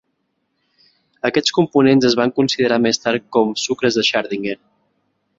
Aquests components es van considerar més tard com "sucres de Schardinger".